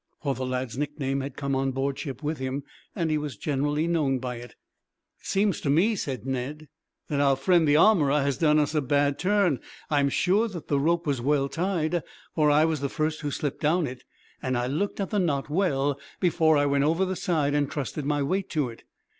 For the lad's nickname had come on board ship with him, and he was generally known by it. "It seems to me," said Ned, "that our friend the armorer has done us this bad turn. I am sure that the rope was well tied, for I was the first who slipped down it, and I looked at the knot well, before I went over the side and trusted my weight to it.